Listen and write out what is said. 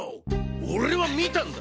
俺は見たんだ。